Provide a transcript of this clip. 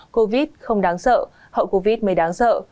covid không đáng sợ hậu covid mới đáng sợ